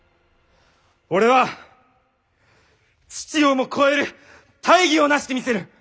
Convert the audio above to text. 俺は父をも超える大義をなしてみせる！